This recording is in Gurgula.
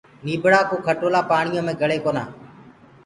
نيٚڀڙآ ڪو کٽولآ پآڻيو مي گݪي ڪونآ